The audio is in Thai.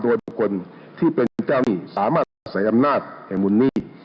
โดยบุคคลที่เป็นเจ้าหนีสามารถทำลายอำนาจให้มุ่นหนี